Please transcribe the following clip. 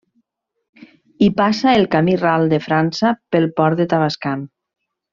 Hi passa el camí ral de França pel Port de Tavascan.